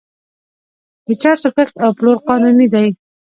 د چرسو کښت او پلور قانوني دی.